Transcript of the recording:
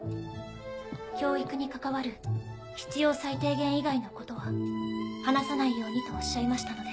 教育に関わる必要最低限以外のことは話さないようにとおっしゃいましたので。